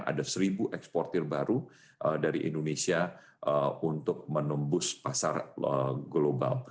ada seribu eksportir baru dari indonesia untuk menembus pasar global